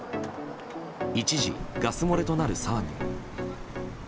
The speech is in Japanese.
一時、ガス漏れとなる騒ぎも。